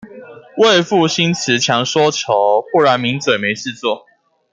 為賦新辭強說愁，不然名嘴沒事做